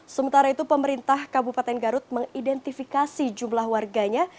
sementara itu pemerintah kabupaten garut mengidentifikasi jumlah warganya